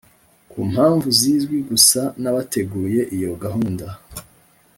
ku mpamvu zizwi gusa n'abateguye iyo gahunda.